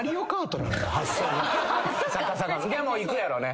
でもいくやろね。